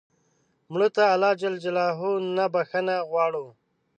مړه ته الله ج نه بخښنه غواړو